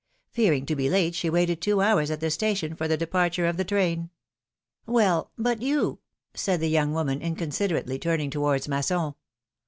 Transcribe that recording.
Fearing to be late, she waited two hours at the station for the departure of the train.^^ Well ! but you said the young woman, inconsider ately, turning towards Masson.